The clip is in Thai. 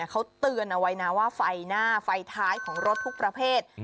เขาเตือนเอาไว้นะว่าไฟหน้าไฟท้ายของรถทุกประเภท